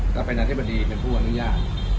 ก็เป็นอธิบดีเป็นผู้อนุญาต